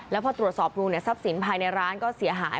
แล้วพอตรวจสอบดูทรัพย์สินภายในร้านก็เสียหาย